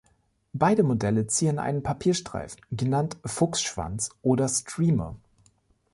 Beide Modelle ziehen einen Papierstreifen, genannt „Fuchsschwanz“ oder „Streamer“.